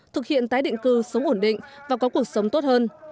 thực hiện tái định cư sống ổn định và có cuộc sống tốt hơn